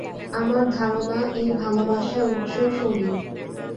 আমার ধারণা, এই ভালবাসার উৎস শরীর।